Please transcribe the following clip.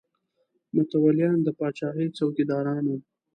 متولیان د پاچاهۍ څوکیداران وو.